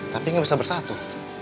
tapi gak bisa bersatu